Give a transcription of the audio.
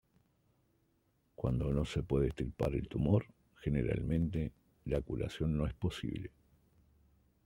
Cuando no se puede extirpar el tumor, generalmente, la curación no es posible.